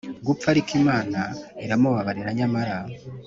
Gupfa ariko imana iramubabarira nyamara